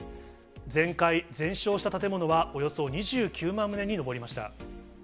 全壊・全焼した建物はおよそ２９万棟に上りました。